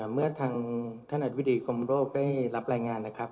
เมื่อทางถนัดวิธีกรมโลกได้รับรายงานนะครับ